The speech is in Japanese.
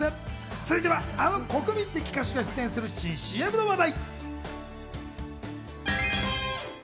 続いてはあの国民的歌手が出演する新ＣＭの話題。